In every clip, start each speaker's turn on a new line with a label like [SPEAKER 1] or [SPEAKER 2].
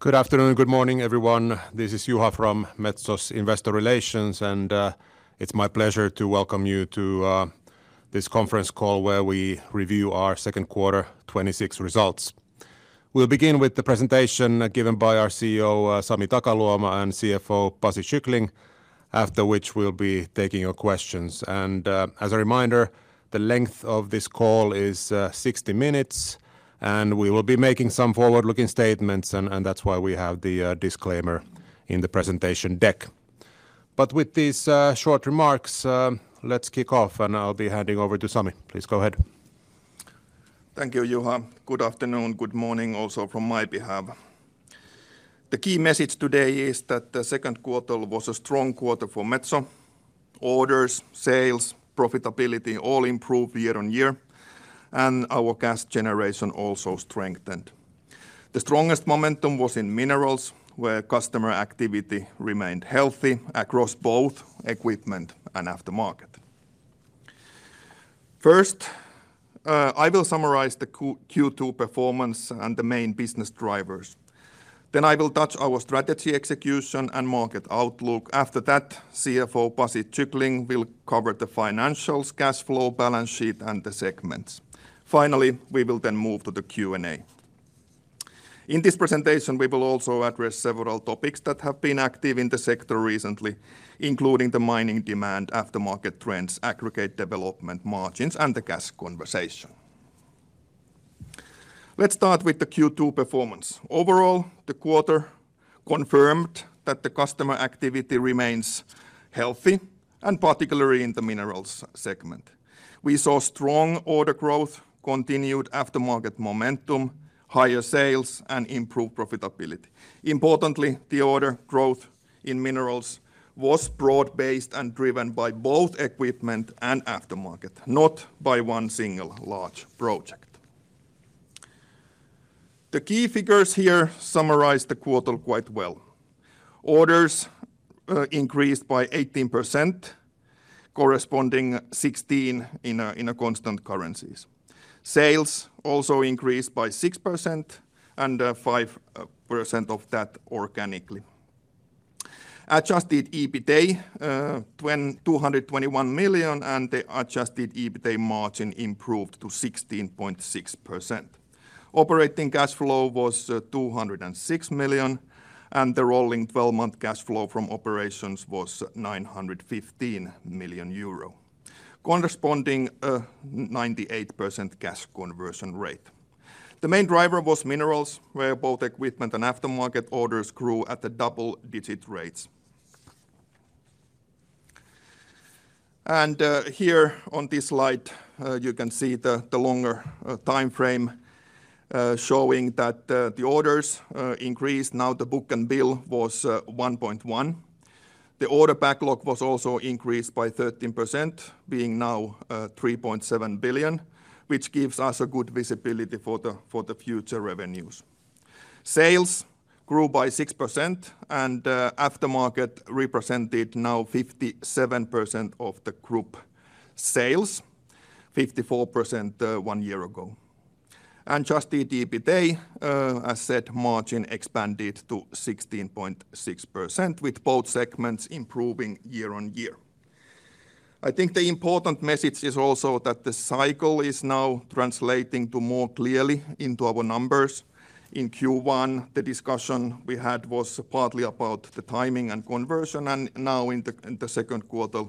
[SPEAKER 1] Good afternoon, good morning, everyone. This is Juha from Metso's Investor Relations, it's my pleasure to welcome you to this conference call, where we review our second quarter 2026 results. We'll begin with the presentation given by our CEO, Sami Takaluoma, and CFO, Pasi Kyckling, after which we'll be taking your questions. As a reminder, the length of this call is 60 minutes, we will be making some forward-looking statements, that's why we have the disclaimer in the presentation deck. With these short remarks, let's kick off, I'll be handing over to Sami. Please go ahead.
[SPEAKER 2] Thank you, Juha. Good afternoon, good morning also from my behalf. The key message today is that the second quarter was a strong quarter for Metso. Orders, sales, profitability all improved year-on-year, our cash generation also strengthened. The strongest momentum was in minerals, where customer activity remained healthy across both equipment and aftermarket. First, I will summarize the Q2 performance and the main business drivers. I will touch our strategy execution and market outlook. After that, CFO Pasi Kyckling will cover the financials, cash flow, balance sheet, and the segments. Finally, we will move to the Q&A. In this presentation, we will also address several topics that have been active in the sector recently, including the mining demand, aftermarket trends, aggregate development margins, and the cash conversion. Let's start with the Q2 performance. Overall, the quarter confirmed that the customer activity remains healthy, particularly in the minerals segment. We saw strong order growth, continued aftermarket momentum, higher sales, and improved profitability. Importantly, the order growth in minerals was broad-based and driven by both equipment and aftermarket, not by one single large project. The key figures here summarize the quarter quite well. Orders increased by 18%, corresponding 16% in constant currencies. Sales also increased by 6%, 5% of that organically. Adjusted EBITA, 221 million, and the adjusted EBITA margin improved to 16.6%. Operating cash flow was 206 million, and the rolling 12-month cash flow from operations was 915 million euro, corresponding 98% cash conversion rate. The main driver was minerals, where both equipment and aftermarket orders grew at the double-digit rates. Here on this slide, you can see the longer timeframe, showing that the orders increased. The book-to-bill was 1.1x. The order backlog was also increased by 13%, being now 3.7 billion, which gives us a good visibility for the future revenues. Sales grew by 6%, aftermarket represented now 57% of the group sales, 54% one year ago. Adjusted EBITA, as said, margin expanded to 16.6%, with both segments improving year-on-year. I think the important message is also that the cycle is now translating more clearly into our numbers. In Q1, the discussion we had was partly about the timing and conversion, now in the second quarter,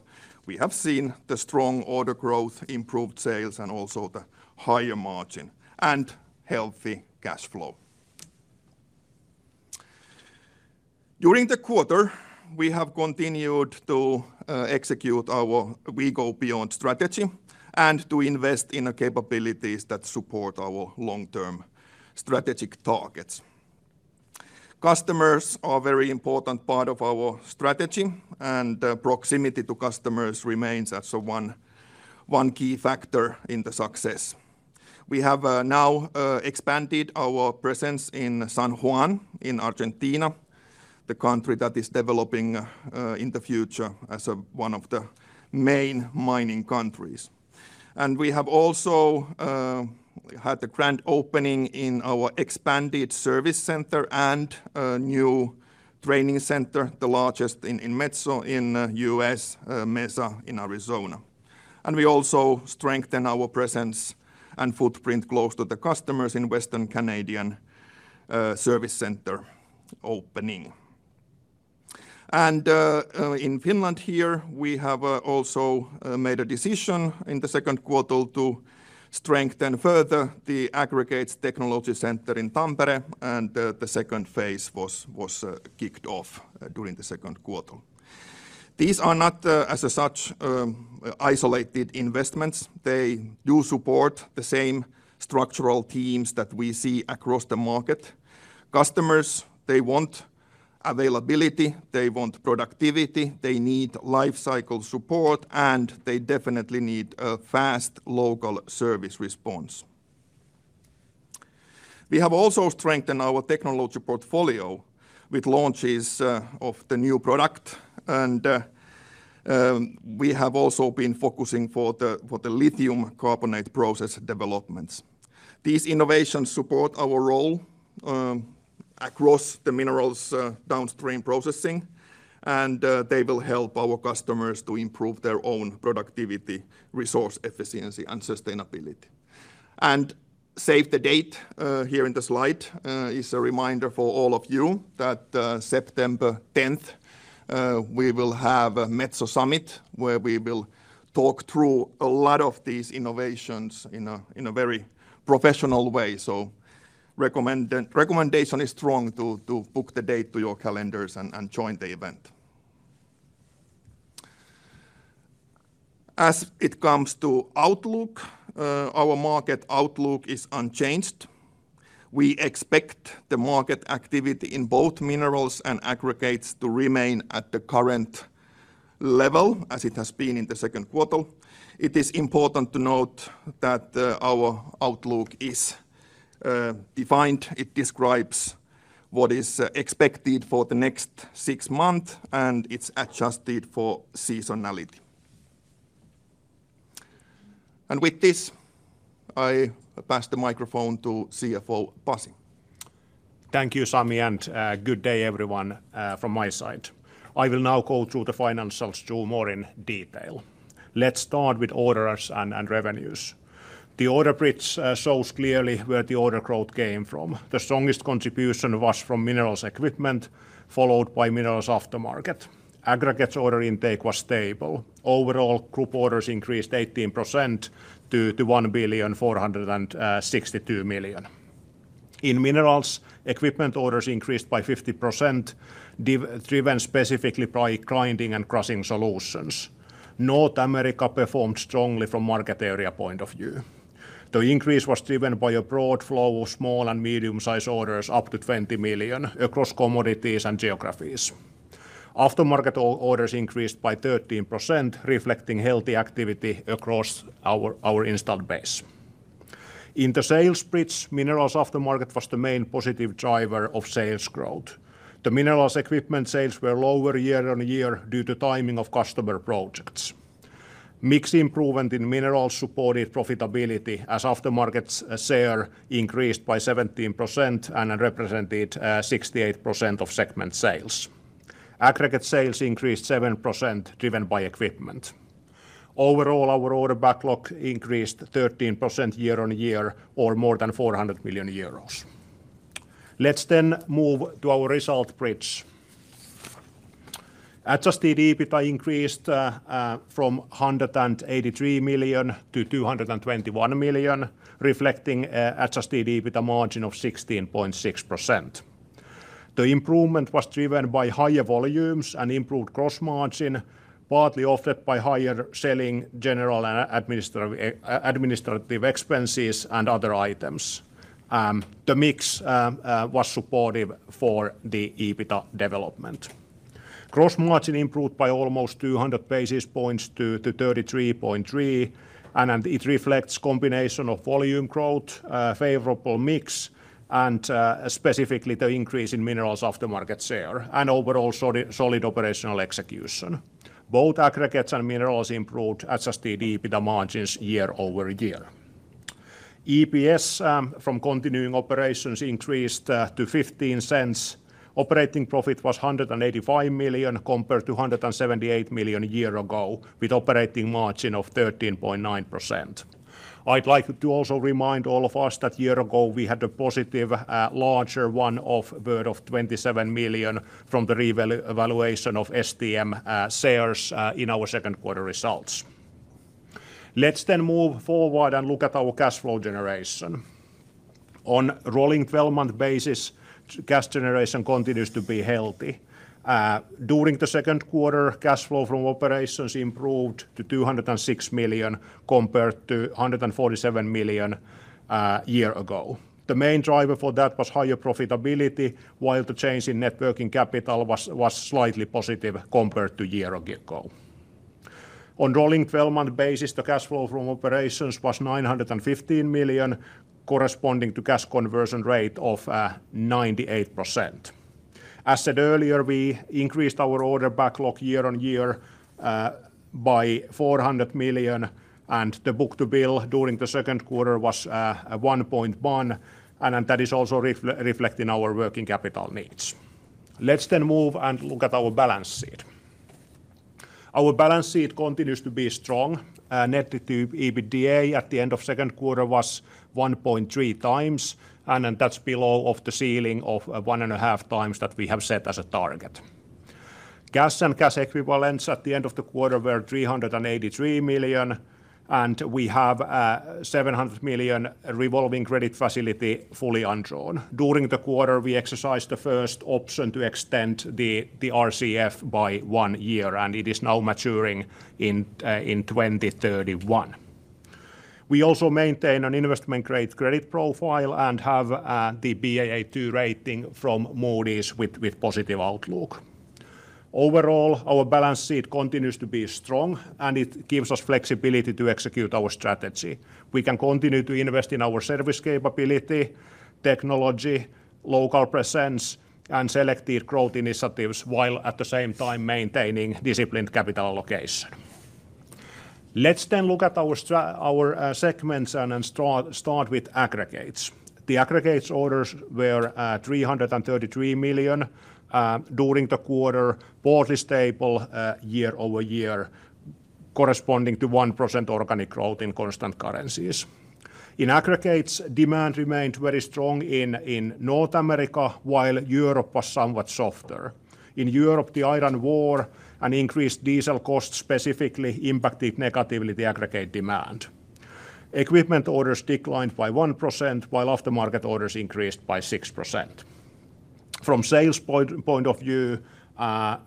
[SPEAKER 2] we have seen the strong order growth, improved sales, also the higher margin and healthy cash flow. During the quarter, we have continued to execute our We go beyond. strategy and to invest in the capabilities that support our long-term strategic targets. Customers are very important part of our strategy. Proximity to customers remains as one key factor in the success. We have now expanded our presence in San Juan, in Argentina, the country that is developing in the future as one of the main mining countries. We have also had the grand opening in our expanded service center and a new training center, the largest in Metso in U.S. Mesa in Arizona. We also strengthen our presence and footprint close to the customers in Western Canadian Service Center opening. In Finland here, we have also made a decision in the second quarter to strengthen further the aggregates technology center in Tampere. The second phase was kicked off during the second quarter. These are not, as such, isolated investments. They do support the same structural themes that we see across the market. Customers, they want availability, they want productivity, they need life cycle support. They definitely need a fast local service response. We have also strengthened our technology portfolio with launches of the new product. We have also been focusing for the lithium carbonate process developments. These innovations support our role across the minerals downstream processing. They will help our customers to improve their own productivity, resource efficiency and sustainability. Save the date, here in the slide is a reminder for all of you that September 10th, we will have a Metso Summit where we will talk through a lot of these innovations in a very professional way. Recommendation is strong to book the date to your calendars and join the event. As it comes to outlook, our market outlook is unchanged. We expect the market activity in both minerals and aggregates to remain at the current level as it has been in the second quarter. It is important to note that our outlook is defined. It describes what is expected for the next six months. It is adjusted for seasonality. With this, I pass the microphone to CFO, Pasi.
[SPEAKER 3] Thank you, Sami. Good day everyone from my side. I will now go through the financials two more in detail. Let's start with orders and revenues. The order bridge shows clearly where the order growth came from. The strongest contribution was from minerals equipment, followed by minerals aftermarket. Aggregates order intake was stable. Overall, group orders increased 18% to 1,462 million. In minerals, equipment orders increased by 50%, driven specifically by grinding and crushing solutions. North America performed strongly from market area point of view. The increase was driven by a broad flow of small and medium-sized orders up to 20 million across commodities and geographies. Aftermarket orders increased by 13%, reflecting healthy activity across our installed base. In the sales bridge, minerals aftermarket was the main positive driver of sales growth. The minerals equipment sales were lower year-over-year due to timing of customer projects. Mix improvement in minerals supported profitability as aftermarket share increased by 17% and represented 68% of segment sales. Aggregate sales increased 7%, driven by equipment. Overall, our order backlog increased 13% year-over-year or more than 400 million euros. Let's move to our result bridge. Adjusted EBITA increased from 183 million to 221 million, reflecting adjusted EBITA margin of 16.6%. The improvement was driven by higher volumes and improved gross margin, partly offset by higher selling, general and administrative expenses and other items. The mix was supportive for the EBITA development. Gross margin improved by almost 200 basis points to 33.3%. It reflects combination of volume growth, favorable mix, specifically the increase in minerals aftermarket share, and overall solid operational execution. Both aggregates and minerals improved Adjusted EBITA margins year-over-year. EPS from continuing operations increased to 0.15. Operating profit was 185 million compared to 178 million a year ago with operating margin of 13.9%. I'd like to also remind all of us that a year ago we had a positive larger one-off benefit of 27 million from the revaluation of STM shares in our second quarter results. Let's move forward and look at our cash flow generation. On rolling 12-month basis, cash generation continues to be healthy. During the second quarter, cash flow from operations improved to 206 million compared to 147 million a year ago. The main driver for that was higher profitability, while the change in net working capital was slightly positive compared to a year ago. On rolling 12-month basis, the cash flow from operations was 915 million, corresponding to cash conversion rate of 98%. As said earlier, we increased our order backlog year-on-year by 400 million. The book-to-bill during the second quarter was 1.1x. That is also reflected in our working capital needs. Let's move and look at our balance sheet. Our balance sheet continues to be strong. Net debt/EBITDA at the end of second quarter was 1.3x. That's below of the ceiling of 1.5x that we have set as a target. Cash and cash equivalents at the end of the quarter were 383 million. We have a 700 million revolving credit facility fully undrawn. During the quarter, we exercised the first option to extend the RCF by one year. It is now maturing in 2031. We also maintain an investment-grade credit profile and have the Baa2 rating from Moody's with positive outlook. Overall, our balance sheet continues to be strong. It gives us flexibility to execute our strategy. We can continue to invest in our service capability, technology, local presence, and selected growth initiatives, while at the same time maintaining disciplined capital allocation. Let's look at our segments and start with aggregates. The aggregates orders were 333 million during the quarter, broadly stable year-over-year, corresponding to 1% organic growth in constant currencies. In aggregates, demand remained very strong in North America, while Europe was somewhat softer. In Europe, the Ukraine war and increased diesel costs specifically impacted negatively the aggregate demand. Equipment orders declined by 1%, while aftermarket orders increased by 6%. From sales point of view,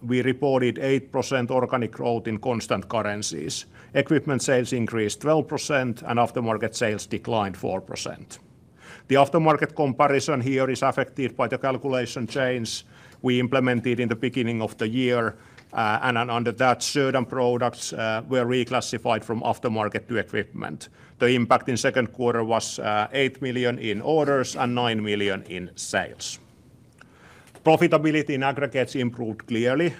[SPEAKER 3] we reported 8% organic growth in constant currencies. Equipment sales increased 12%. Aftermarket sales declined 4%. The aftermarket comparison here is affected by the calculation change we implemented in the beginning of the year. Under that, certain products were reclassified from aftermarket to equipment. The impact in second quarter was 8 million in orders and 9 million in sales. Profitability in Aggregates improved clearly.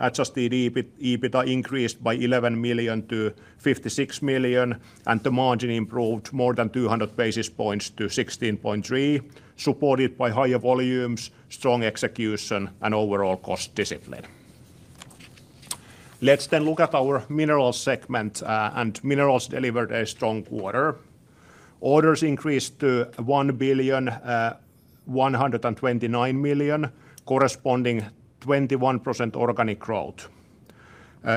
[SPEAKER 3] Adjusted EBIT increased by 11 million to 56 million, and the margin improved more than 200 basis points to 16.3%, supported by higher volumes, strong execution, and overall cost discipline. Let's look at our Minerals segment. Minerals delivered a strong quarter. Orders increased to 1,129 million, corresponding 21% organic growth.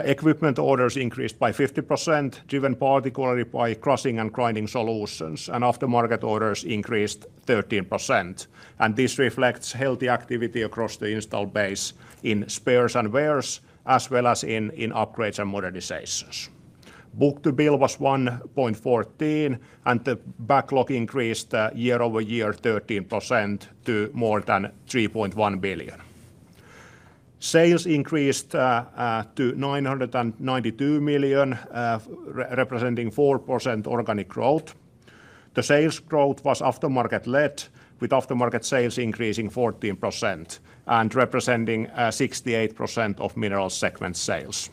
[SPEAKER 3] Equipment orders increased by 50%, driven particularly by crushing and grinding solutions. Aftermarket orders increased 13%. This reflects healthy activity across the installed base in spares and wears, as well as in upgrades and modernizations. Book-to-bill was 1.14x, and the backlog increased year-over-year 13% to more than 3.1 billion. Sales increased to 992 million, representing 4% organic growth. The sales growth was aftermarket-led, with aftermarket sales increasing 14% and representing 68% of Minerals segment sales.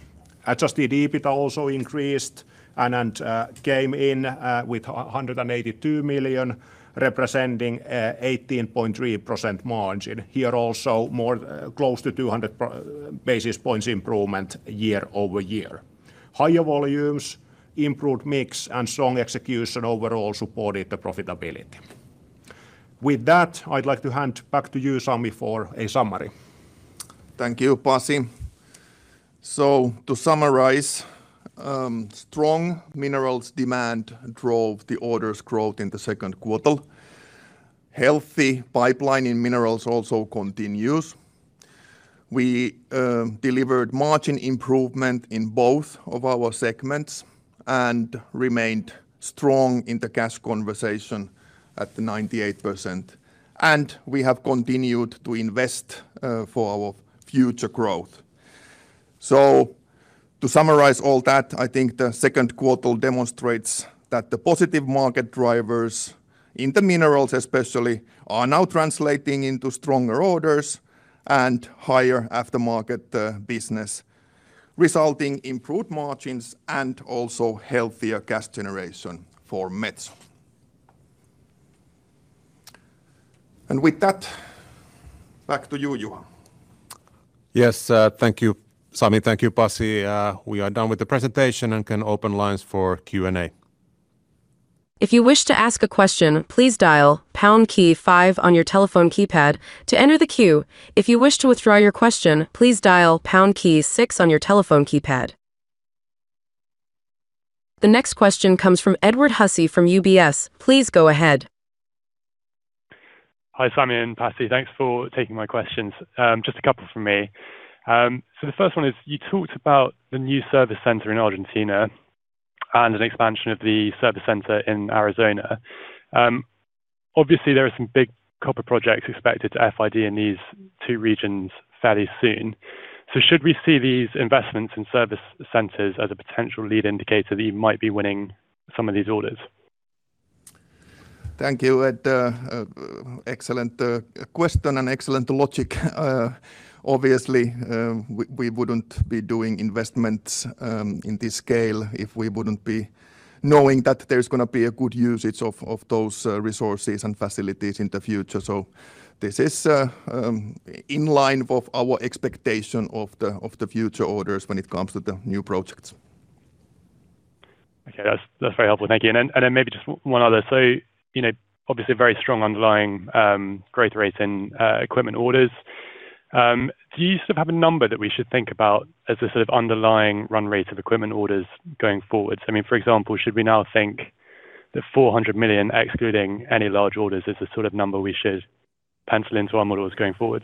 [SPEAKER 3] Adjusted EBIT also increased and came in with 182 million, representing 18.3% margin. Here also, close to 200 basis points improvement year-over-year. Higher volumes, improved mix, and strong execution overall supported the profitability. With that, I'd like to hand back to you, Sami, for a summary.
[SPEAKER 2] Thank you, Pasi. To summarize, strong minerals demand drove the orders growth in the second quarter. Healthy pipeline in minerals also continues. We delivered margin improvement in both of our segments and remained strong in the cash conversion at 98%. We have continued to invest for our future growth. To summarize all that, I think the second quarter demonstrates that the positive market drivers, in the minerals especially, are now translating into stronger orders and higher aftermarket business, resulting improved margins and also healthier cash generation for Metso. With that, back to you, Juha.
[SPEAKER 1] Yes. Thank you, Sami. Thank you, Pasi. We are done with the presentation and can open lines for Q&A.
[SPEAKER 4] If you wish to ask a question, please dial pound key five on your telephone keypad to enter the queue. If you wish to withdraw your question, please dial pound key six on your telephone keypad. The next question comes from Edward Hussey from UBS. Please go ahead.
[SPEAKER 5] Hi, Sami and Pasi. Thanks for taking my questions. Just a couple from me. The first one is you talked about the new service center in Argentina and an expansion of the service center in Arizona. Obviously, there are some big copper projects expected to FID in these two regions fairly soon. Should we see these investments in service centers as a potential lead indicator that you might be winning some of these orders?
[SPEAKER 2] Thank you, Ed. Excellent question and excellent logic. Obviously, we wouldn't be doing investments in this scale if we wouldn't be knowing that there's going to be a good usage of those resources and facilities in the future. This is in line with our expectation of the future orders when it comes to the new projects.
[SPEAKER 5] Okay. That's very helpful. Thank you. Then maybe just one other. Obviously very strong underlying growth rates in equipment orders. Do you have a number that we should think about as the underlying run rate of equipment orders going forward? For example, should we now think that 400 million, excluding any large orders, is the sort of number we should pencil into our models going forward?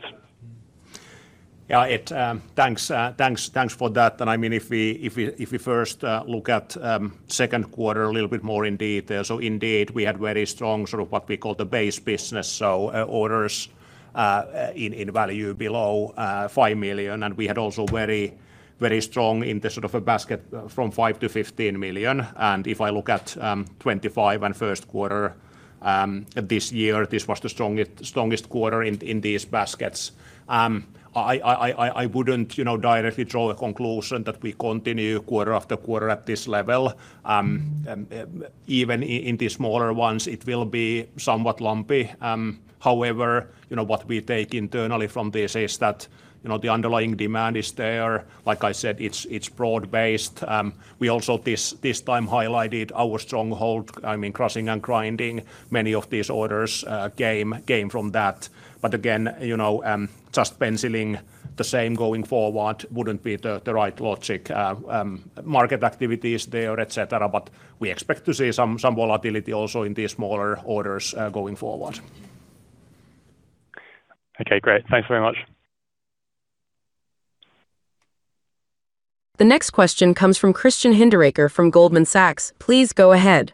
[SPEAKER 3] Ed, thanks for that. If we first look at second quarter a little bit more in detail. Indeed, we had very strong what we call the base business, so orders in value below 5 million. We had also very strong in the basket from 5 million to 15 million. If I look at Q4 and first quarter this year, this was the strongest quarter in these baskets. I wouldn't directly draw a conclusion that we continue quarter after quarter at this level. Even in the smaller ones, it will be somewhat lumpy. However, what we take internally from this is that the underlying demand is there. Like I said, it's broad based. We also this time highlighted our stronghold, crushing and grinding, many of these orders came from that. Again just penciling the same going forward wouldn't be the right logic. Market activity is there, et cetera, we expect to see some volatility also in the smaller orders, going forward.
[SPEAKER 5] Okay, great. Thanks very much.
[SPEAKER 4] The next question comes from Christian Hinderaker from Goldman Sachs. Please go ahead.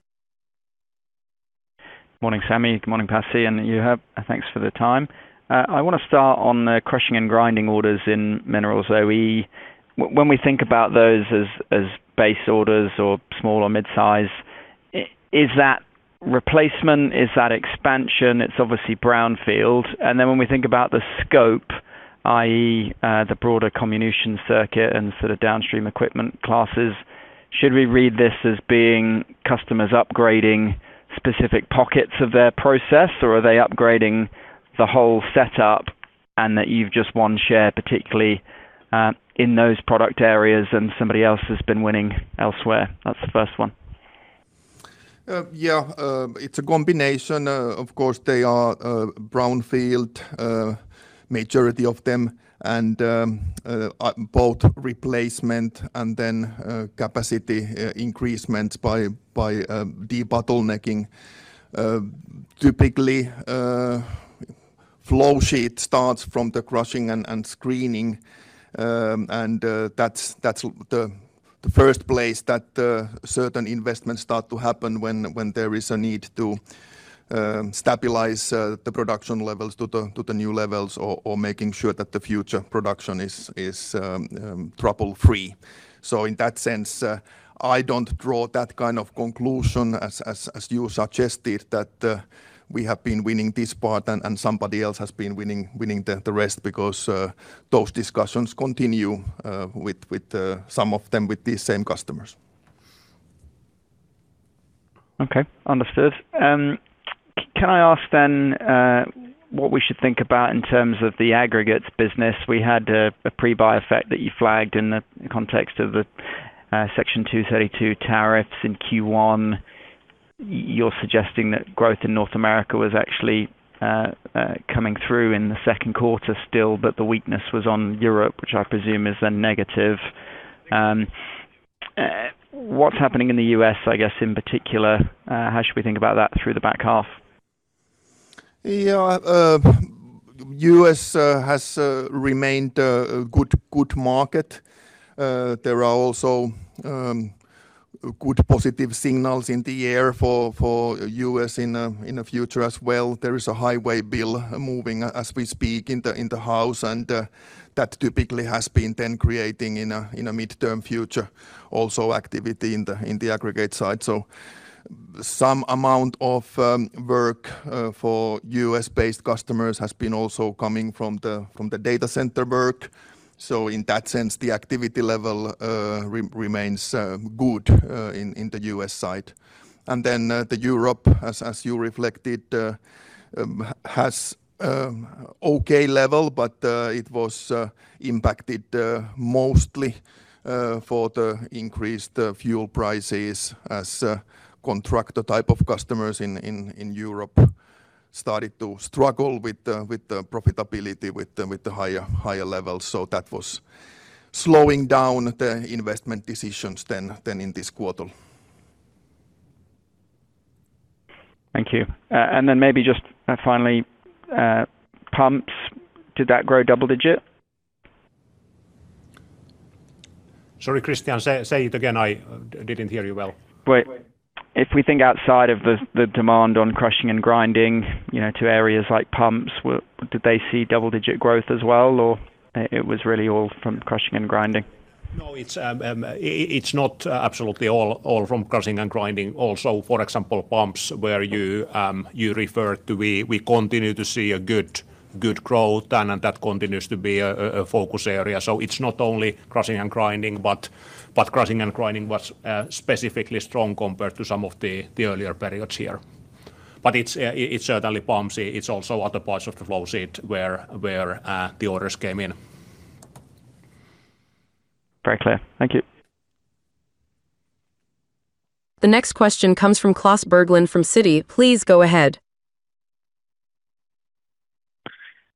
[SPEAKER 6] Morning, Sami. Good morning, Pasi and Juha. Thanks for the time. I want to start on the crushing and grinding orders in minerals OE. When we think about those as base orders or small or mid-size, is that replacement? Is that expansion? It's obviously brownfield. When we think about the scope, i.e., the broader comminution circuit and downstream equipment classes, should we read this as being customers upgrading specific pockets of their process? Or are they upgrading the whole setup, and that you've just won share, particularly in those product areas and somebody else has been winning elsewhere? That's the first one.
[SPEAKER 2] Yeah, it's a combination. Of course, they are brownfield, majority of them, and both replacement and then capacity increasement by de-bottlenecking. Typically, flow sheet starts from the crushing and screening. That's the first place that certain investments start to happen when there is a need to stabilize the production levels to the new levels or making sure that the future production is trouble-free. In that sense, I don't draw that kind of conclusion as you suggested that we have been winning this part and somebody else has been winning the rest because those discussions continue with some of them, with these same customers.
[SPEAKER 6] Okay. Understood. Can I ask then what we should think about in terms of the aggregates business? We had a pre-buy effect that you flagged in the context of the Section 232 tariffs in Q1. You're suggesting that growth in North America was actually coming through in the second quarter still, but the weakness was on Europe, which I presume is a negative. What's happening in the U.S., I guess, in particular? How should we think about that through the back half?
[SPEAKER 2] Yeah. U.S. has remained a good market. There are also good positive signals in the air for U.S. in the future as well. There is a highway bill moving as we speak in the House. That typically has been then creating in a midterm future also activity in the aggregate side. Some amount of work for U.S.-based customers has been also coming from the data center work. In that sense, the activity level remains good in the U.S. side. The Europe, as you reflected, has okay level, but it was impacted mostly for the increased fuel prices as contractor type of customers in Europe started to struggle with the profitability with the higher levels. That was slowing down the investment decisions then in this quarter.
[SPEAKER 6] Thank you. Maybe just finally, pumps, did that grow double digit?
[SPEAKER 3] Sorry, Christian, say it again. I didn't hear you well.
[SPEAKER 6] If we think outside of the demand on crushing and grinding, to areas like pumps, did they see double-digit growth as well, or it was really all from crushing and grinding?
[SPEAKER 3] No, it's not absolutely all from crushing and grinding. Also, for example, pumps where you referred to, we continue to see a good growth and that continues to be a focus area. It's not only crushing and grinding, but crushing and grinding was specifically strong compared to some of the earlier periods here. It's certainly pumps. It's also other parts of the flow sheet where the orders came in.
[SPEAKER 6] Very clear. Thank you.
[SPEAKER 4] The next question comes from Klas Bergelind from Citi. Please go ahead.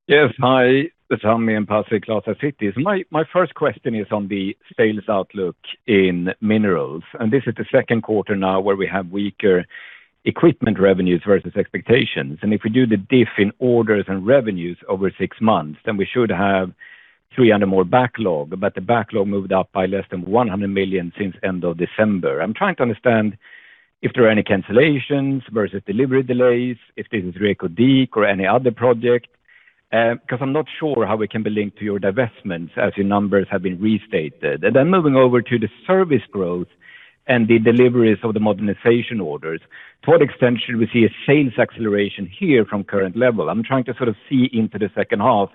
[SPEAKER 7] Yes. Hi, Sami and Pasi. Klas at Citi. My first question is on the sales outlook in minerals, this is the second quarter now where we have weaker equipment revenues versus expectations. If we do the diff in orders and revenues over six months, then we should have 300 million more backlog. The backlog moved up by less than 100 million since end of December. I'm trying to understand if there are any cancellations versus delivery delays, if this is Reko Diq or any other project, because I'm not sure how it can be linked to your divestments as your numbers have been restated. Then moving over to the service growth and the deliveries of the modernization orders. To what extent should we see a sales acceleration here from current level? I'm trying to sort of see into the second half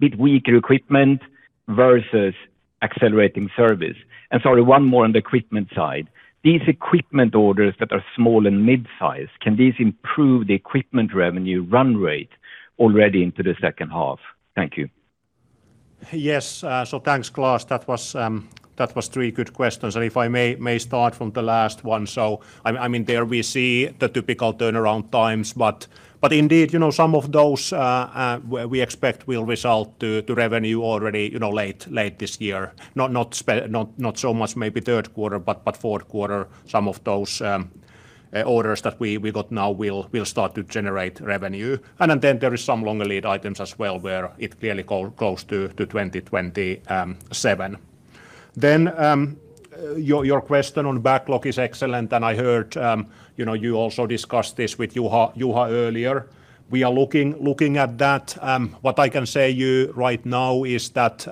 [SPEAKER 7] with weaker equipment versus accelerating service. Sorry, one more on the equipment side. These equipment orders that are small and mid-size, can these improve the equipment revenue run rate already into the second half? Thank you.
[SPEAKER 3] Yes. Thanks, Klas. That was three good questions. If I may start from the last one. There we see the typical turnaround times, indeed, some of those we expect will result to revenue already late this year. Not so much maybe third quarter, fourth quarter, some of those orders that we got now will start to generate revenue. Then there is some longer lead items as well where it clearly goes to 2027. Your question on backlog is excellent, and I heard you also discussed this with Juha earlier. We are looking at that. What I can say you right now is that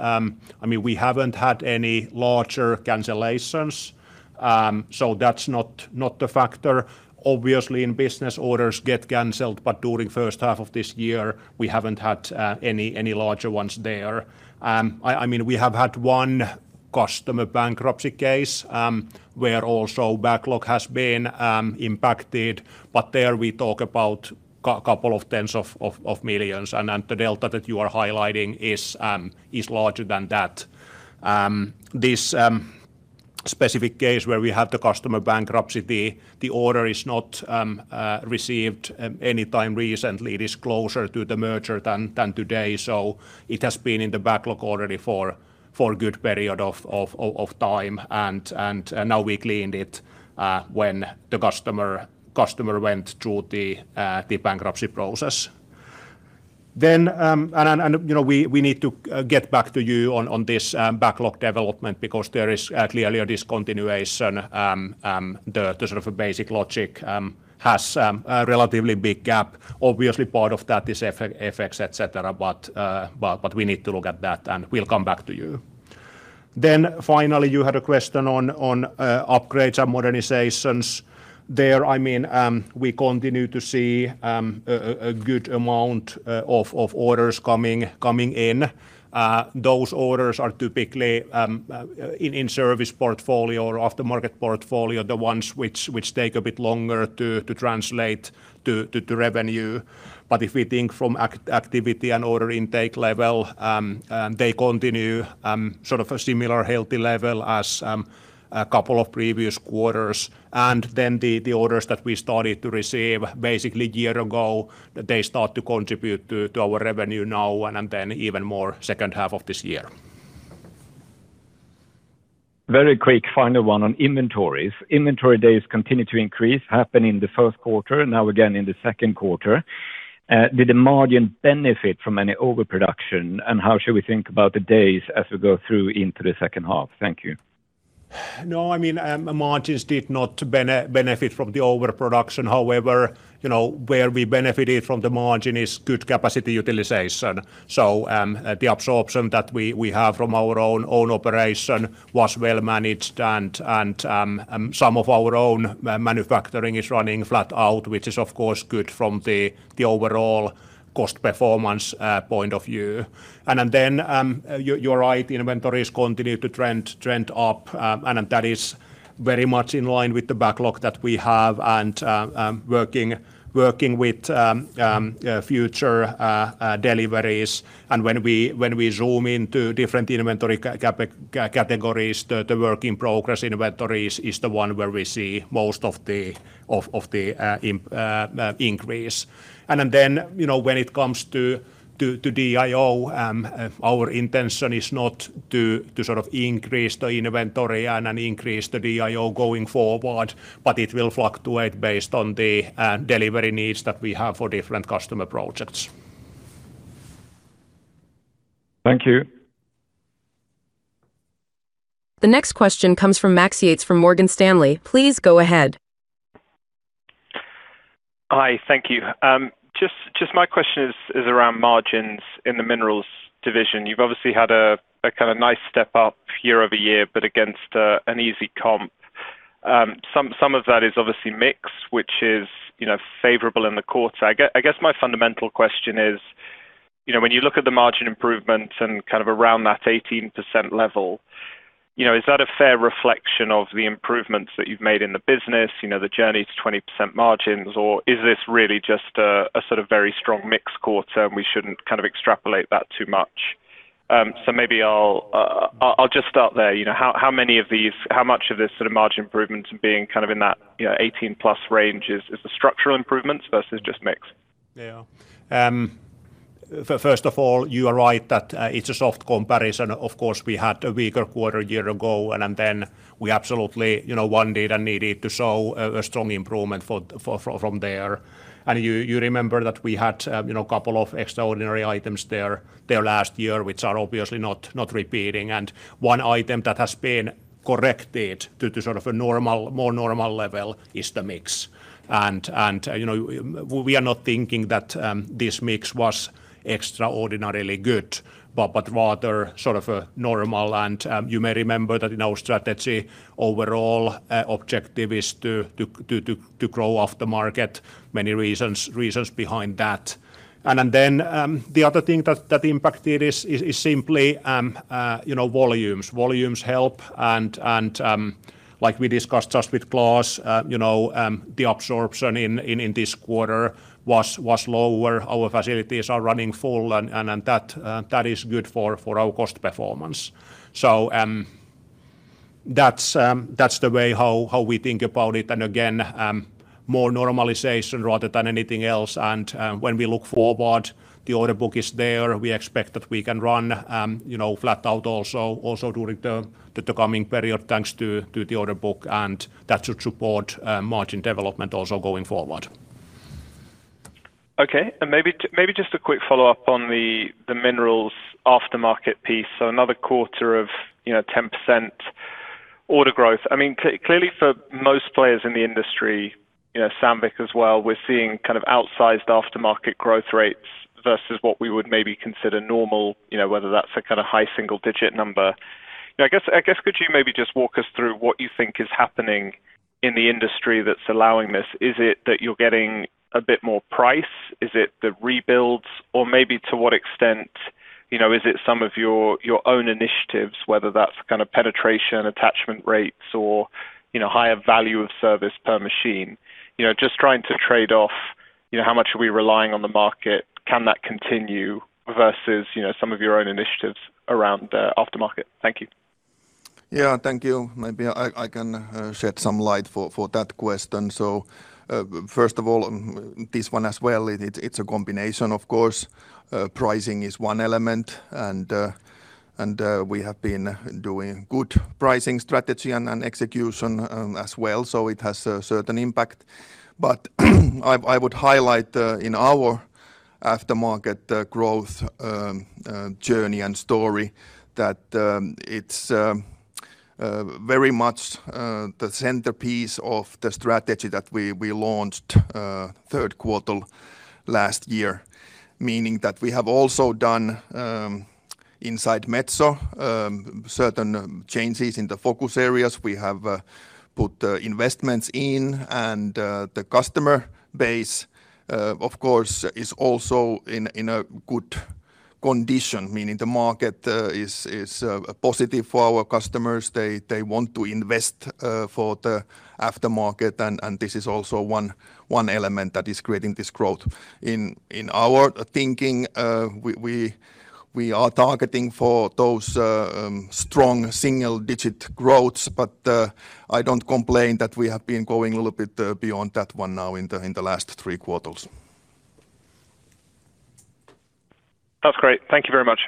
[SPEAKER 3] we haven't had any larger cancellations, that's not the factor. Obviously, in business, orders get canceled, during first half of this year, we haven't had any larger ones there. We have had one customer bankruptcy case, where also backlog has been impacted, there we talk about couple of tens of million and the delta that you are highlighting is larger than that. This specific case where we have the customer bankruptcy, the order is not received any time recently. It is closer to the merger than today. It has been in the backlog already for a good period of time. Now we cleaned it when the customer went through the bankruptcy process. We need to get back to you on this backlog development because there is clearly a discontinuation. The basic logic has a relatively big gap. Obviously, part of that is FX, et cetera, we need to look at that, and we'll come back to you. Finally, you had a question on upgrades and modernizations. There, we continue to see a good amount of orders coming in. Those orders are typically in service portfolio or off-the-market portfolio, the ones which take a bit longer to translate to revenue. If we think from activity and order intake level, they continue a similar healthy level as a couple of previous quarters. Then the orders that we started to receive basically a year ago, they start to contribute to our revenue now and then even more second half of this year.
[SPEAKER 7] Very quick final one on inventories. Inventory days continue to increase, happened in the first quarter, now again in the second quarter. Did the margin benefit from any overproduction, how should we think about the days as we go through into the second half? Thank you.
[SPEAKER 3] No, margins did not benefit from the overproduction. However, where we benefited from the margin is good capacity utilization. The absorption that we have from our own operation was well managed, and some of our own manufacturing is running flat out, which is of course good from the overall cost performance point of view. You're right, inventories continue to trend up, and that is very much in line with the backlog that we have and working with future deliveries. When we zoom into different inventory categories, the work in progress inventories is the one where we see most of the increase. When it comes to DIO, our intention is not to increase the inventory and increase the DIO going forward, but it will fluctuate based on the delivery needs that we have for different customer projects.
[SPEAKER 7] Thank you.
[SPEAKER 4] The next question comes from Max Yates from Morgan Stanley. Please go ahead.
[SPEAKER 8] Hi, thank you. Just my question is around margins in the minerals division. You've obviously had a kind of nice step up year-over-year, but against an easy comp. Some of that is obviously mix, which is favorable in the quarter. I guess my fundamental question is: when you look at the margin improvements and kind of around that 18% level, is that a fair reflection of the improvements that you've made in the business, the journey to 20% margins, or is this really just a sort of very strong mix quarter and we shouldn't kind of extrapolate that too much? Maybe I'll just start there. How much of this sort of margin improvement being kind of in that 18%+ range is the structural improvements versus just mix?
[SPEAKER 3] First of all, you are right that it's a soft comparison. Of course, we had a weaker quarter a year ago, we absolutely wanted and needed to show a strong improvement from there. You remember that we had a couple of extraordinary items there last year, which are obviously not repeating. One item that has been corrected to a more normal level is the mix. We are not thinking that this mix was extraordinarily good, but rather normal. You may remember that in our strategy, overall objective is to grow aftermarket. Many reasons behind that. The other thing that impacted is simply volumes. Volumes help and like we discussed just with Klas, the absorption in this quarter was lower. Our facilities are running full and that is good for our cost performance. That's the way how we think about it. Again, more normalization rather than anything else. When we look forward, the order book is there. We expect that we can run flat out also during the coming period, thanks to the order book, and that should support margin development also going forward.
[SPEAKER 8] Okay. Maybe just a quick follow-up on the minerals aftermarket piece. Another quarter of 10% order growth. Clearly for most players in the industry, Sandvik as well, we're seeing kind of outsized aftermarket growth rates versus what we would maybe consider normal, whether that's a kind of high single-digit number. I guess could you maybe just walk us through what you think is happening in the industry that's allowing this? Is it that you're getting a bit more price? Is it the rebuilds? Or maybe to what extent is it some of your own initiatives, whether that's penetration, attachment rates, or higher value of service per machine? Just trying to trade off how much are we relying on the market, can that continue, versus some of your own initiatives around the aftermarket. Thank you.
[SPEAKER 2] Thank you. Maybe I can shed some light for that question. First of all, this one as well, it's a combination, of course. Pricing is one element, and we have been doing good pricing strategy and execution as well, so it has a certain impact. I would highlight in our aftermarket growth journey and story that it's very much the centerpiece of the strategy that we launched third quarter last year, meaning that we have also done inside Metso certain changes in the focus areas. We have put investments in and the customer base, of course, is also in a good condition, meaning the market is positive for our customers. They want to invest for the aftermarket, and this is also one element that is creating this growth. In our thinking, we are targeting for those strong single-digit growths, but I don't complain that we have been going a little bit beyond that one now in the last three quarters.
[SPEAKER 8] That's great. Thank you very much.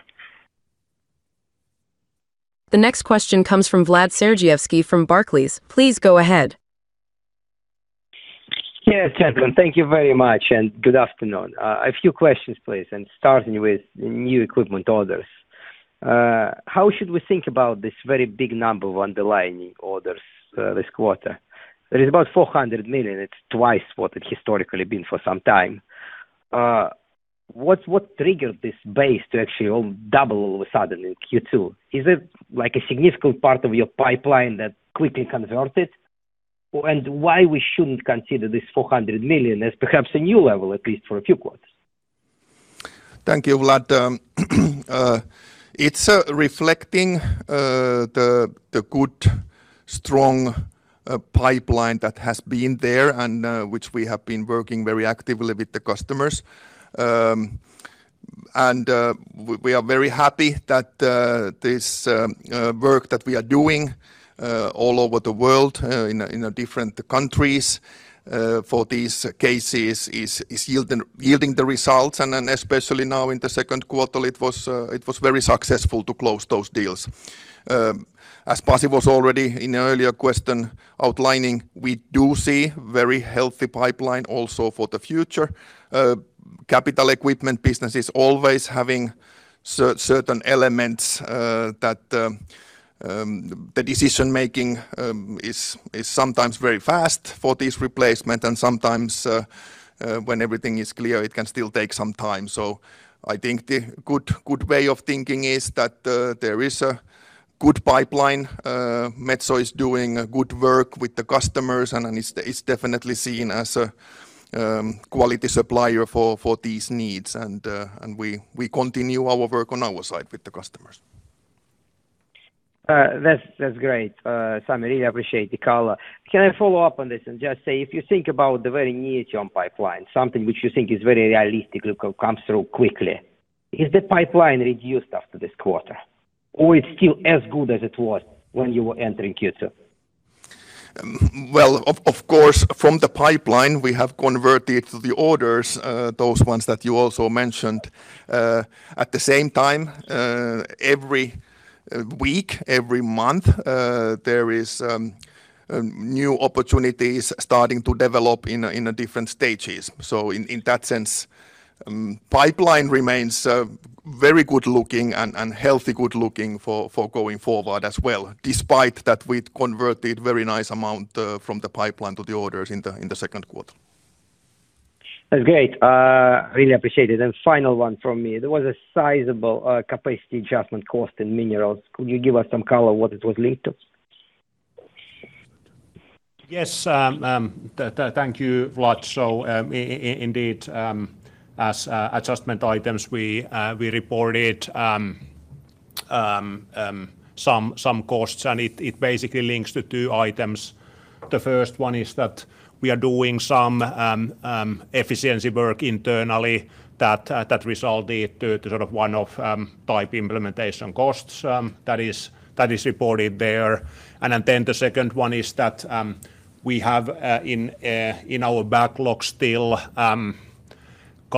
[SPEAKER 4] The next question comes from Vlad Sergievskiy from Barclays. Please go ahead.
[SPEAKER 9] Yes, gentlemen, thank you very much and good afternoon. A few questions, please, and starting with new equipment orders. How should we think about this very big number of underlying orders this quarter? It is about 400 million. It's twice what it historically been for some time. What triggered this base to actually double all of a sudden in Q2? Is it a significant part of your pipeline that quickly converted? Why we shouldn't consider this 400 million as perhaps a new level, at least for a few quarters?
[SPEAKER 2] Thank you, Vlad. It's reflecting the good, strong pipeline that has been there and which we have been working very actively with the customers. We are very happy that this work that we are doing all over the world in different countries for these cases is yielding the results. Especially now in the second quarter, it was very successful to close those deals. As Pasi was already in the earlier question outlining, we do see very healthy pipeline also for the future. Capital equipment business is always having certain elements that the decision-making is sometimes very fast for this replacement and sometimes when everything is clear, it can still take some time. I think the good way of thinking is that there is a good pipeline. Metso is doing good work with the customers, and it's definitely seen as a quality supplier for these needs. We continue our work on our side with the customers.
[SPEAKER 9] That's great, Sami. Really appreciate the color. Can I follow up on this and just say, if you think about the very near-term pipeline, something which you think is very realistic, comes through quickly. Is the pipeline reduced after this quarter, or it's still as good as it was when you were entering Q2?
[SPEAKER 2] Well, of course, from the pipeline, we have converted the orders, those ones that you also mentioned. At the same time, every week, every month, there is new opportunities starting to develop in the different stages. In that sense, pipeline remains very good looking and healthy good looking for going forward as well, despite that we converted very nice amount from the pipeline to the orders in the second quarter.
[SPEAKER 9] That's great. Really appreciate it. Final one from me. There was a sizable capacity adjustment cost in Minerals. Could you give us some color what it was linked to?
[SPEAKER 3] Yes, thank you, Vlad. Indeed, as adjustment items, we reported some costs, and it basically links to two items. The first one is that we are doing some efficiency work internally that resulted to one-off type implementation costs that is reported there. The second one is that we have in our backlog still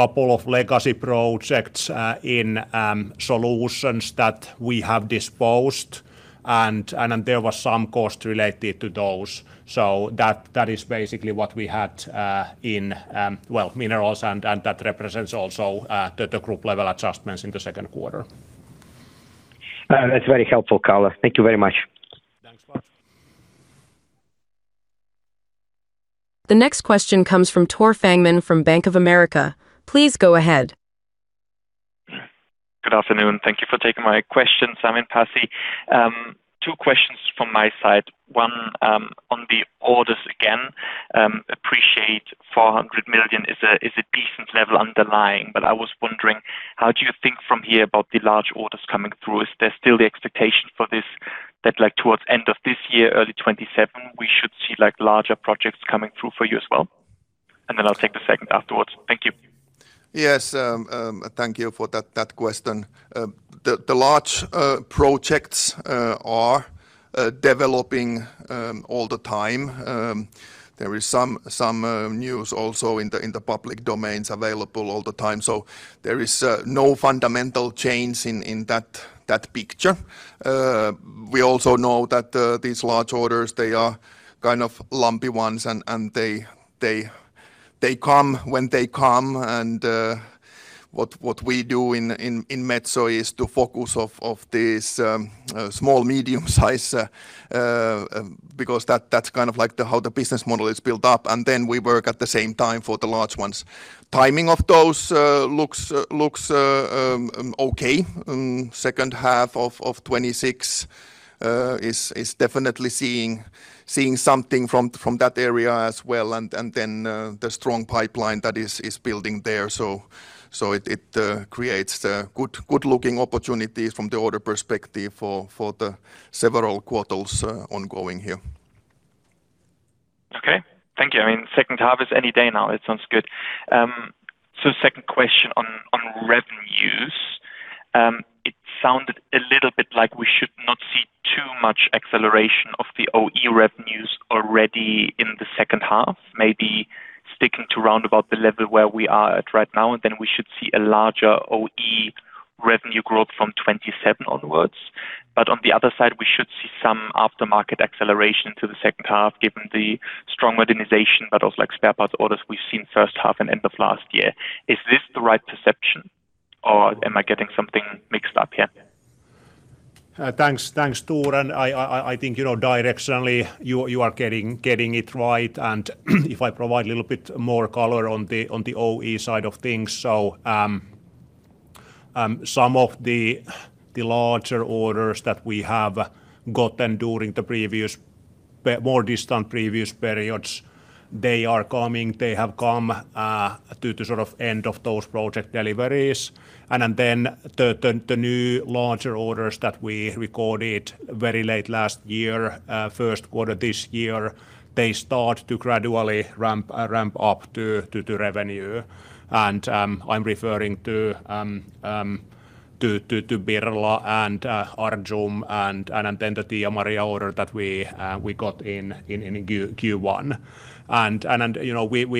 [SPEAKER 3] couple of legacy projects in Solutions that we have disposed, there was some cost related to those. That is basically what we had in Minerals, and that represents also the group level adjustments in the second quarter.
[SPEAKER 9] That's very helpful, color. Thank you very much.
[SPEAKER 3] Thanks, Vlad.
[SPEAKER 4] The next question comes from Tore Fangmann from Bank of America. Please go ahead.
[SPEAKER 10] Good afternoon. Thank you for taking my question, Sami and Pasi. Two questions from my side. One on the orders again. Appreciate 400 million is a decent level underlying. I was wondering, how do you think from here about the large orders coming through? Is there still the expectation for this that towards end of this year, early 2027, we should see larger projects coming through for you as well? I'll take the second afterwards. Thank you.
[SPEAKER 2] Yes, thank you for that question. The large projects are developing all the time. There is some news also in the public domains available all the time. There is no fundamental change in that picture. We also know that these large orders, they are kind of lumpy ones and they come when they come. What we do in Metso is to focus of this small, medium size, because that's kind of how the business model is built up, and then we work at the same time for the large ones. Timing of those looks okay. Second half of 2026 is definitely seeing something from that area as well. The strong pipeline that is building there. It creates good looking opportunities from the order perspective for the several quarters ongoing here.
[SPEAKER 10] Okay. Thank you. Second half is any day now. It sounds good. Second question on revenues. It sounded a little bit like we should not see too much acceleration of the OE revenues already in the second half, maybe sticking to roundabout the level where we are at right now. Then we should see a larger OE revenue growth from 2027 onwards. On the other side, we should see some aftermarket acceleration to the second half given the strong modernization, but also spare parts orders we've seen first half and end of last year. Is this the right perception, or am I getting something mixed up here?
[SPEAKER 3] Thanks, Tore. I think directionally, you are getting it right, if I provide a little bit more color on the OE side of things. Some of the larger orders that we have gotten during the more distant previous periods, they are coming, they have come to end of those project deliveries. The new larger orders that we recorded very late last year, first quarter this year, they start to gradually ramp up to revenue. I am referring to Birla and Ar Rjum, and then the Tía María order that we got in Q1.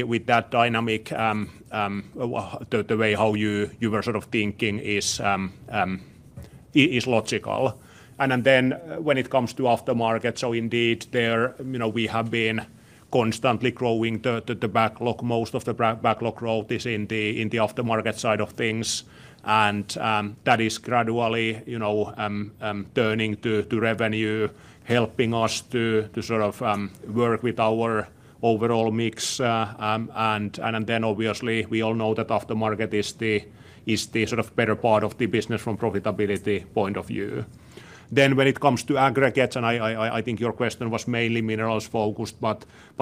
[SPEAKER 3] With that dynamic, the way how you were sort of thinking is logical. When it comes to aftermarket, indeed there we have been constantly growing the backlog. Most of the backlog growth is in the aftermarket side of things. That's gradually turning to revenue, helping us to work with our overall mix and then obviously we all know that aftermarket is still sort of part of the business from profitability point of view. When it comes to aggregates and I think your question was mainly minerals.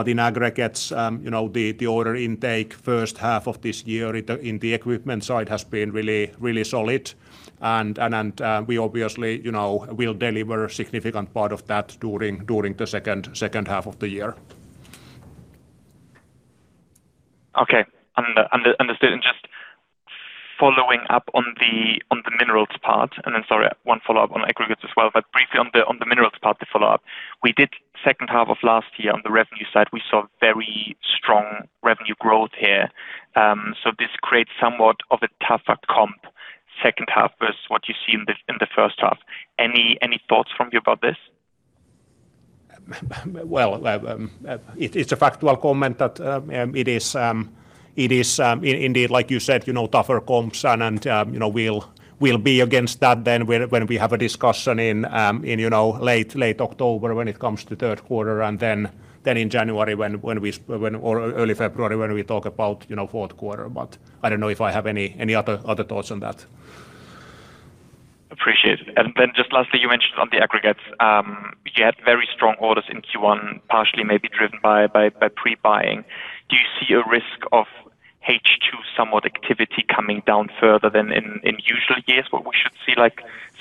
[SPEAKER 3] In aggregates, the order intake first half of this year in the equipment side has been really solid and we obviously deliver significant part of that to the second half of the year.
[SPEAKER 10] Okay. Understood. Just following up on the minerals part, then, sorry, one follow-up on aggregates as well. Briefly on the minerals part to follow up. We did second half of last year on the revenue side, we saw very strong revenue growth here. This creates somewhat of a tougher comp second half versus what you see in the first half. Any thoughts from you about this?
[SPEAKER 3] It is a factual comment that it is indeed like you said, tougher comps we will be against that then when we have a discussion in late October when it comes to third quarter, then in January or early February when we talk about fourth quarter. I do not know if I have any other thoughts on that.
[SPEAKER 10] Just lastly, you mentioned on the aggregates, you had very strong orders in Q1, partially maybe driven by pre-buying. Do you see a risk of H2 somewhat activity coming down further than in usual years, where we should see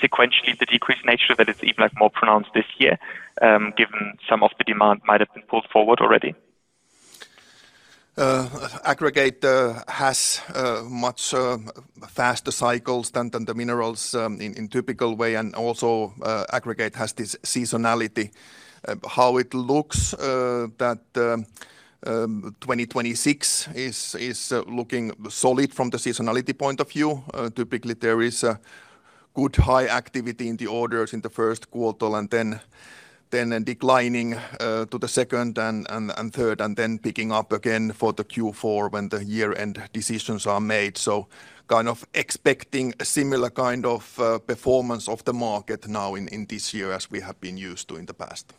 [SPEAKER 10] sequentially the decrease in nature that it is even more pronounced this year, given some of the demand might have been pulled forward already?
[SPEAKER 2] Aggregate has much faster cycles than the minerals in typical way, also aggregate has this seasonality. How it looks that 2026 is looking solid from the seasonality point of view. Typically, there is a good high activity in the orders in the first quarter, then declining to the second and third, then picking up again for the Q4 when the year-end decisions are made. Kind of expecting a similar kind of performance of the market now in this year as we have been used to in the past.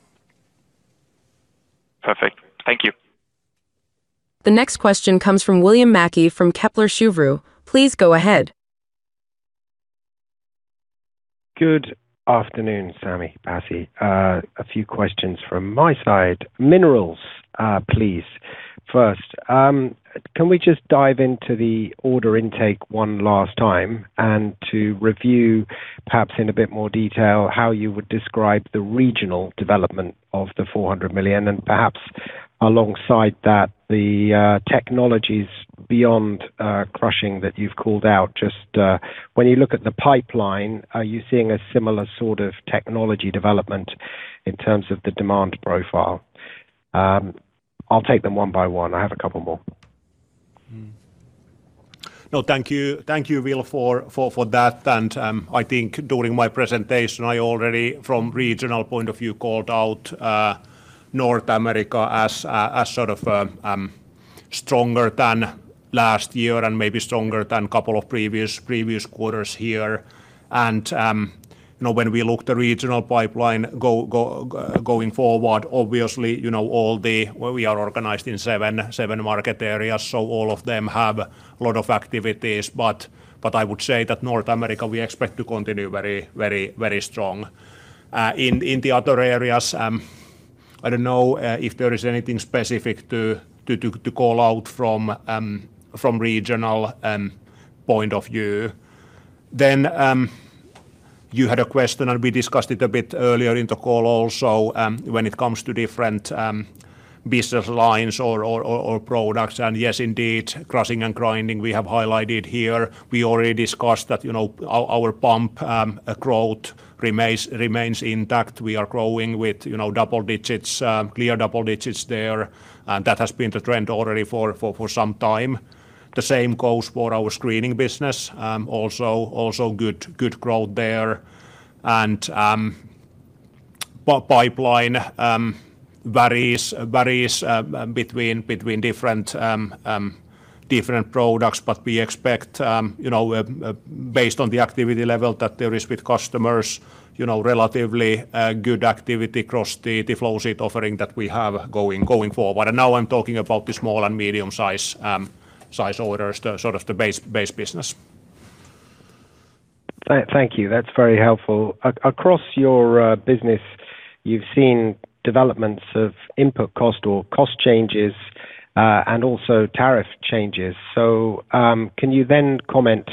[SPEAKER 10] Perfect. Thank you.
[SPEAKER 4] The next question comes from William Mackie from Kepler Cheuvreux. Please go ahead.
[SPEAKER 11] Good afternoon, Sami, Pasi. A few questions from my side. Minerals, please, first. Can we just dive into the order intake one last time and to review perhaps in a bit more detail how you would describe the regional development of the 400 million, and perhaps alongside that, the technologies beyond crushing that you've called out. Just when you look at the pipeline, are you seeing a similar sort of technology development in terms of the demand profile? I'll take them one by one. I have a couple more.
[SPEAKER 3] Thank you, Will, for that. I think during my presentation, I already, from regional point of view, called out North America as sort of stronger than last year and maybe stronger than couple of previous quarters here. When we look the regional pipeline going forward, obviously, we are organized in seven market areas, so all of them have a lot of activities. I would say that North America, we expect to continue very strong. In the other areas, I don't know if there is anything specific to call out from regional point of view. You had a question, we discussed it a bit earlier in the call also, when it comes to different business lines or products, and yes, indeed, crushing and grinding, we have highlighted here. We already discussed that our pump growth remains intact. We are growing with double digits, clear double digits there. That has been the trend already for some time. The same goes for our screening business, also good growth there. Pipeline varies between different products, we expect based on the activity level that there is with customers, relatively good activity across the flow sheet offering that we have going forward. Now I'm talking about the small and medium size orders, the sort of the base business.
[SPEAKER 11] Thank you. That's very helpful. Across your business, you've seen developments of input cost or cost changes, and also tariff changes. Can you then comment,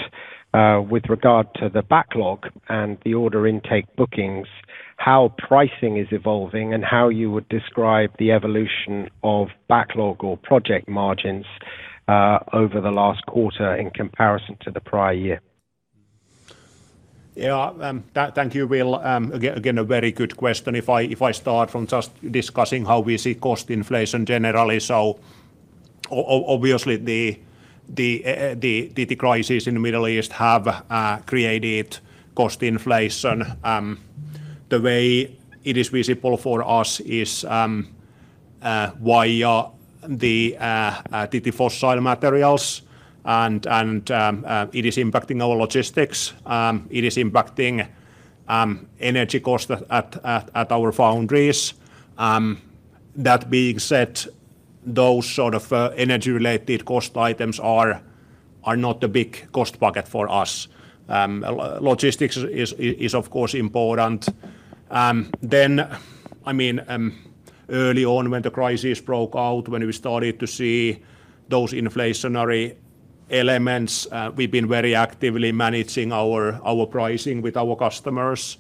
[SPEAKER 11] with regard to the backlog and the order intake bookings, how pricing is evolving and how you would describe the evolution of backlog or project margins over the last quarter in comparison to the prior year?
[SPEAKER 3] Yeah. Thank you, Will. A very good question. If I start from just discussing how we see cost inflation generally, obviously the crisis in the Middle East have created cost inflation. The way it is visible for us is via the fossil materials, and it is impacting our logistics. It is impacting energy cost at our foundries. That being said, those sort of energy-related cost items are not a big cost bucket for us. Logistics is of course important. Early on when the crisis broke out, when we started to see those inflationary elements. We've been very actively managing our pricing with our customers.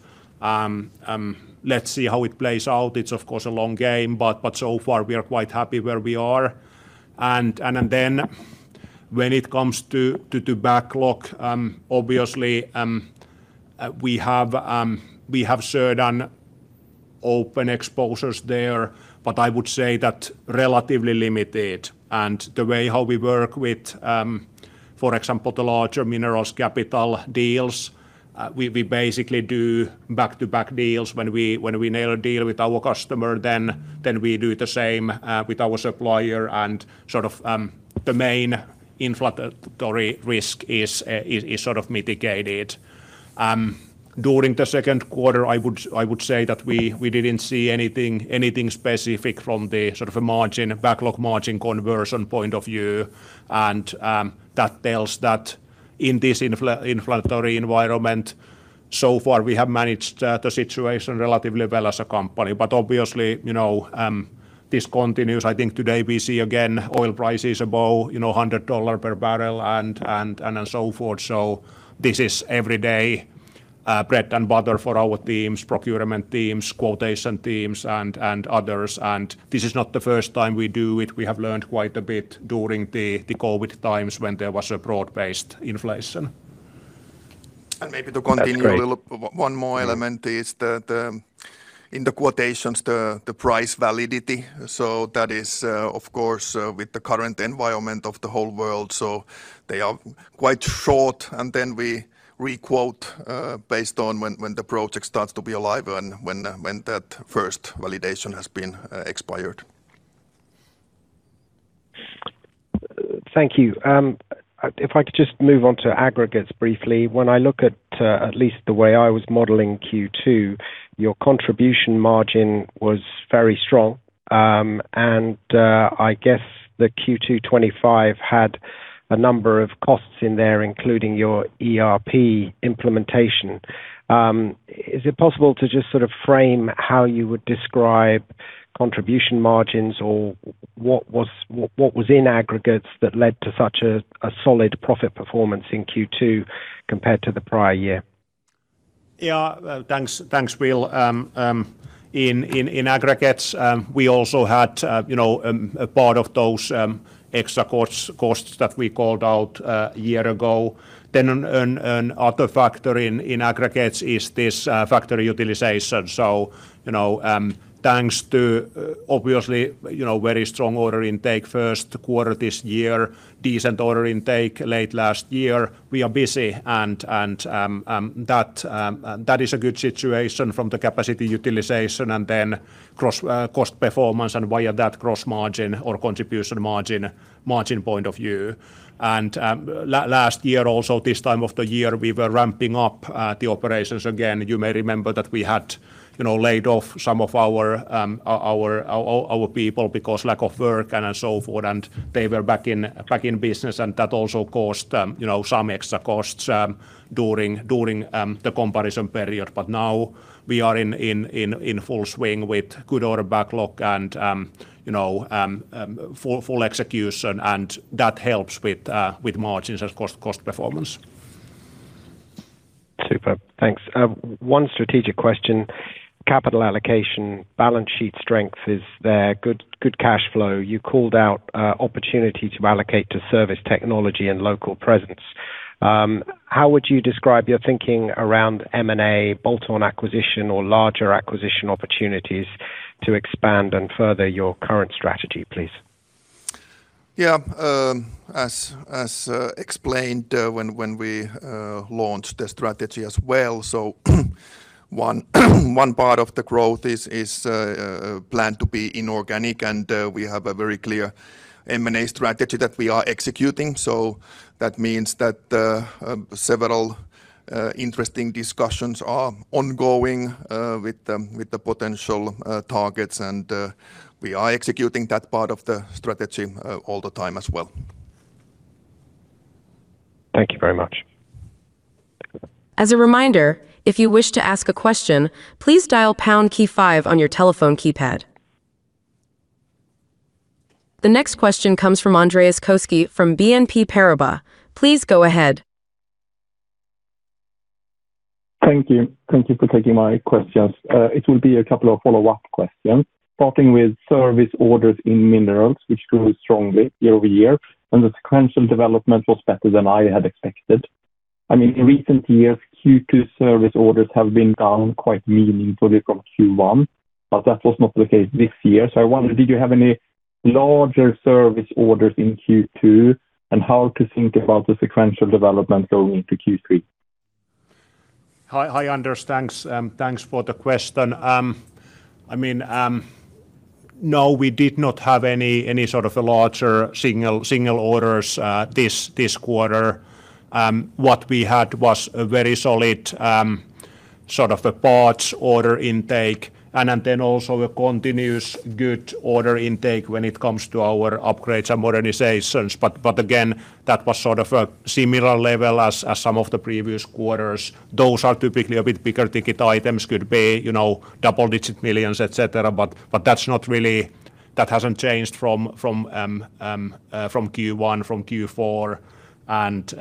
[SPEAKER 3] Let's see how it plays out. It's, of course, a long game, but so far we are quite happy where we are. When it comes to backlog, obviously, we have certain open exposures there, but I would say that relatively limited. The way how we work with, for example, the larger minerals capital deals, we basically do back-to-back deals. When we nail a deal with our customer, we do the same with our supplier and the main inflationary risk is mitigated. During the second quarter, I would say that we didn't see anything specific from the backlog margin conversion point of view. That tells that in this inflationary environment, so far we have managed the situation relatively well as a company. Obviously, this continues. I think today we see, again, oil prices above $100/bbl, and so forth. This is everyday bread and butter for our teams, procurement teams, quotation teams, and others, and this is not the first time we do it. We have learned quite a bit during the COVID times when there was a broad-based inflation.
[SPEAKER 2] Maybe to continue.
[SPEAKER 11] That's great.
[SPEAKER 2] One more element is that in the quotations, the price validity. That is, of course, with the current environment of the whole world. They are quite short, and then we re-quote based on when the project starts to be alive and when that first validation has been expired.
[SPEAKER 11] Thank you. If I could just move on to aggregates briefly. When I look at at least the way I was modeling Q2, your contribution margin was very strong. I guess the Q2 2025 had a number of costs in there, including your ERP implementation. Is it possible to just frame how you would describe contribution margins or what was in aggregates that led to such a solid profit performance in Q2 compared to the prior year?
[SPEAKER 3] Thanks, Will. In aggregates, we also had a part of those extra costs that we called out a year ago. Another factor in aggregates is this factory utilization. Thanks to obviously very strong order intake first quarter this year, decent order intake late last year. We are busy, and that is a good situation from the capacity utilization and cost performance, and via that gross margin or contribution margin point of view. Last year also, this time of the year, we were ramping up the operations again. You may remember that we had laid off some of our people because lack of work and so forth, and they were back in business, and that also caused some extra costs during the comparison period. Now we are in full swing with good order backlog and full execution, and that helps with margins and cost performance.
[SPEAKER 11] Superb. Thanks. One strategic question. Capital allocation, balance sheet strength is there, good cash flow. You called out opportunity to allocate to service technology and local presence. How would you describe your thinking around M&A, bolt-on acquisition, or larger acquisition opportunities to expand and further your current strategy, please?
[SPEAKER 2] Yeah. As explained when we launched the strategy as well, so one part of the growth is planned to be inorganic, and we have a very clear M&A strategy that we are executing. That means that several interesting discussions are ongoing with the potential targets, and we are executing that part of the strategy all the time as well.
[SPEAKER 11] Thank you very much.
[SPEAKER 4] As a reminder, if you wish to ask a question, please dial pound key five on your telephone keypad. The next question comes from Andreas Koski from BNP Paribas. Please go ahead.
[SPEAKER 12] Thank you. Thank you for taking my questions. It will be a couple of follow-up questions. Starting with service orders in minerals, which grew strongly year-over-year, and the sequential development was better than I had expected. In recent years, Q2 service orders have been down quite meaningfully from Q1, that was not the case this year. I wonder, did you have any larger service orders in Q2? How to think about the sequential development going into Q3?
[SPEAKER 3] Hi, Andreas. Thanks for the question. We did not have any sort of larger single orders this quarter. What we had was a very solid parts order intake, and then also a continuous good order intake when it comes to our upgrades and modernizations. Again, that was a similar level as some of the previous quarters. Those are typically a bit bigger ticket items. Could be double-digit millions, et cetera, but that hasn't changed from Q1, from Q4, and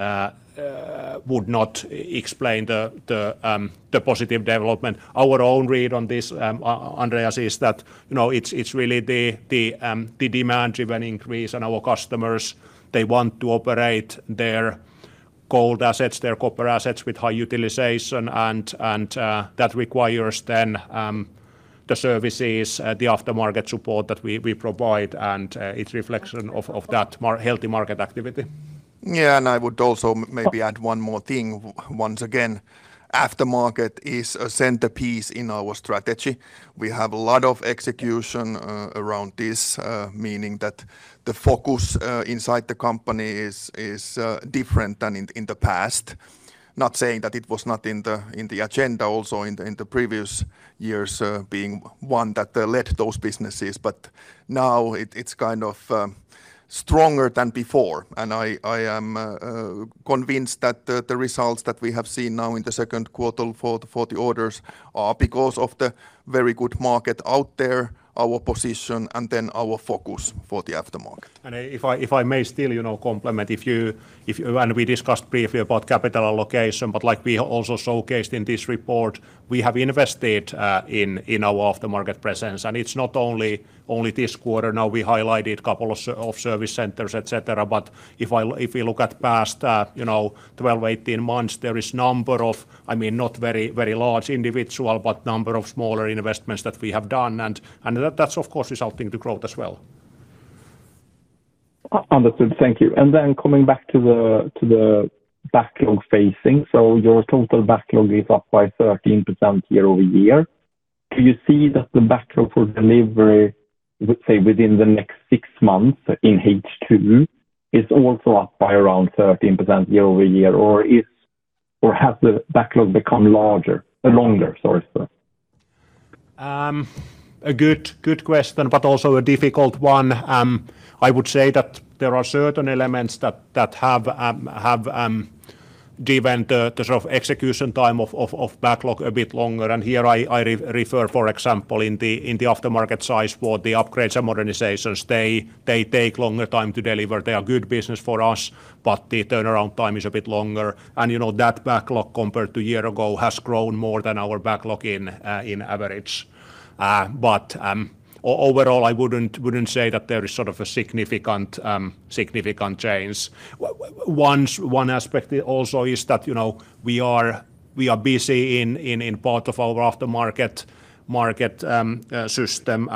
[SPEAKER 3] would not explain the positive development. Our own read on this, Andreas, is that it's really the demand-driven increase on our customers. They want to operate their gold assets, their copper assets with high utilization, and that requires then the services, the aftermarket support that we provide, and it's a reflection of that healthy market activity.
[SPEAKER 2] I would also maybe add one more thing. Once again, aftermarket is a centerpiece in our strategy. We have a lot of execution around this, meaning that the focus inside the company is different than in the past. Not saying that it was not in the agenda also in the previous years being one that led those businesses, now it's kind of stronger than before, I am convinced that the results that we have seen now in the second quarter for the orders are because of the very good market out there, our position, and then our focus for the aftermarket.
[SPEAKER 3] If I may still compliment, we discussed briefly about capital allocation, like we also showcased in this report, we have invested in our aftermarket presence. It's not only this quarter now we highlighted couple of service centers, et cetera, if we look at past 12, 18 months, there is number of, not very large individual, number of smaller investments that we have done, that's of course resulting to growth as well.
[SPEAKER 12] Understood. Thank you. Then coming back to the backlog phasing. Your total backlog is up by 13% year-over-year. Do you see that the backlog for delivery, let's say within the next six months in H2, is also up by around 13% year-over-year? Has the backlog become longer?
[SPEAKER 3] A good question, but also a difficult one. I would say that there are certain elements that have driven the sort of execution time of backlog a bit longer. Here I refer, for example, in the aftermarket side for the upgrades and modernizations. They take longer time to deliver. They are good business for us, but the turnaround time is a bit longer. That backlog compared to year ago, has grown more than our backlog in average. Overall I wouldn't say that there is sort of a significant change. One aspect also is that we are busy in part of our aftermarket market system,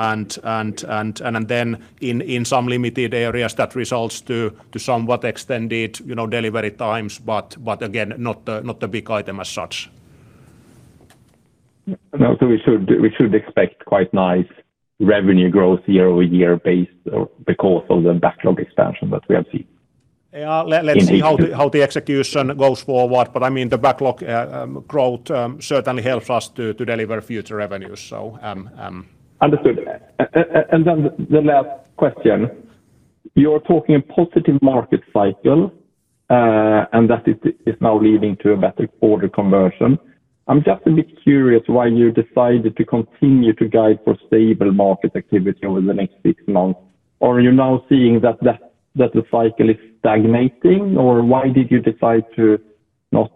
[SPEAKER 3] then in some limited areas that results to somewhat extended delivery times. Again, not a big item as such.
[SPEAKER 12] No. We should expect quite nice revenue growth year-over-year because of the backlog expansion that we have seen.
[SPEAKER 3] Yeah. Let's see how the execution goes forward, the backlog growth certainly helps us to deliver future revenues.
[SPEAKER 12] Understood. The last question. You're talking positive market cycle, that it is now leading to a better order conversion. I'm just a bit curious why you decided to continue to guide for stable market activity over the next six months. Are you now seeing that the cycle is stagnating, or why did you decide to not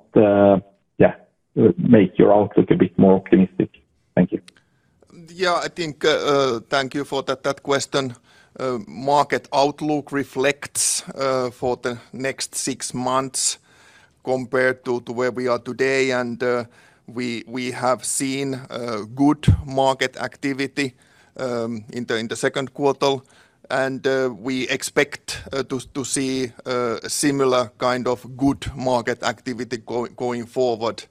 [SPEAKER 12] make your outlook a bit more optimistic? Thank you.
[SPEAKER 2] Thank you for that question. Market outlook reflects for the next six months compared to where we are today, and we have seen good market activity in the second quarter, and we expect to see similar kind of good market activity going forward.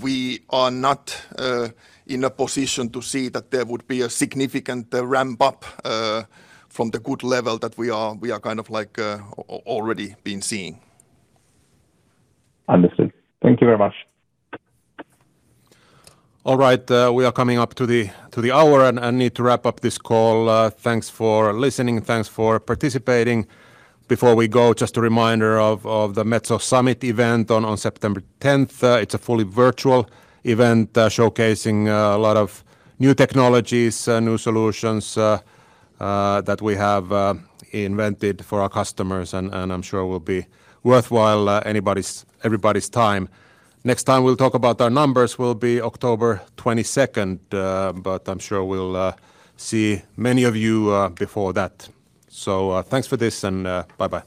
[SPEAKER 2] We are not in a position to see that there would be a significant ramp-up from the good level that we are kind of like already been seeing.
[SPEAKER 12] Understood. Thank you very much.
[SPEAKER 1] All right. We are coming up to the hour, and I need to wrap up this call. Thanks for listening. Thanks for participating. Before we go, just a reminder of the Metso Summit event on September 10th. It's a fully virtual event showcasing a lot of new technologies, new solutions that we have invented for our customers, and I'm sure will be worthwhile everybody's time. Next time we'll talk about our numbers will be October 22nd, but I'm sure we'll see many of you before that. Thanks for this and bye-bye.